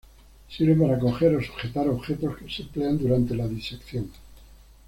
Sirven para coger o sujetar objetos que se emplean durante la disección.